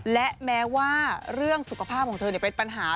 และแม้ว่าเรื่องสุขภาพของเธอเป็นปัญหา